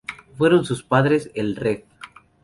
Fueron sus padres el Rev.